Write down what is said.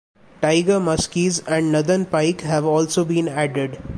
Tiger muskies and northern pike have also been added.